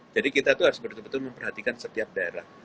jadi kita harus betul betul memperhatikan setiap daerah